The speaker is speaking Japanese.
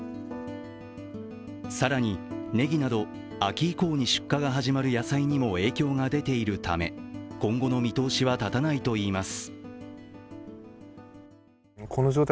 更にネギなど、秋以降に出荷が始まる野菜にも影響が出ているため今後の見通しは立たないといいます。